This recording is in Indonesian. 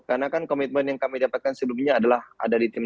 karena kan komitmen yang kami dapatkan sebelumnya adalah ada di tim delapan